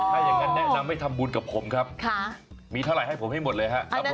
ถ้าอย่างนั้นแนะนำให้ทำบุญกับผมครับมีเท่าไหร่ให้ผมให้หมดเลยครับผม